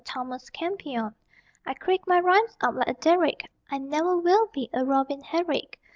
Thomas Campion. I creak my rhymes up like a derrick, I ne'er will be a Robin Herrick.